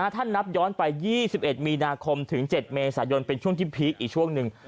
ถ้านับย้อนไป๒๑มีนาคมถึง๗เมษายนเป็นช่วงที่พีคอีกช่วงหนึ่ง